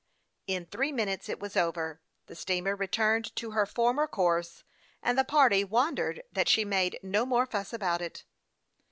In three minutes it was over, the steamer returned to her former course, and the party wondered that she made no more fuss about it.